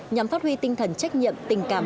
nhằm phát huy tinh thần trách nhiệm tình cảm